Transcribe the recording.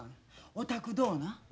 お宅どうな？